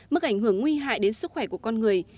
mức ảnh hưởng nguy hại đến sức khỏe của con người